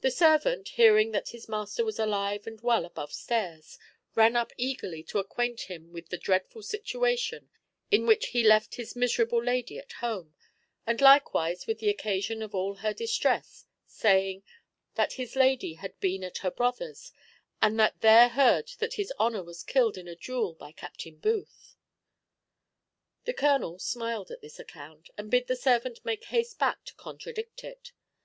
The servant hearing that his master was alive and well above stairs, ran up eagerly to acquaint him with the dreadful situation in which he left his miserable lady at home, and likewise with the occasion of all her distress, saying, that his lady had been at her brother's, and had there heard that his honour was killed in a duel by Captain Booth. The colonel smiled at this account, and bid the servant make haste back to contradict it.